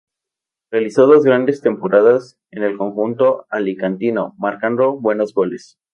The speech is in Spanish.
Realizó dos grandes temporadas en el conjunto alicantino, marcando buenos goles.